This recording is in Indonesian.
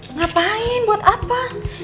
ngapain buat apa